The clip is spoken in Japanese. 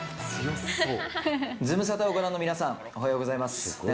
ズムサタをご覧の皆さん、おはようございます。